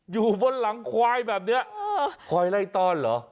อยู่บนหลังควายแบบนี้คอยไล่ต้อนเหรอ